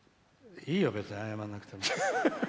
いいよ、別に謝んなくても。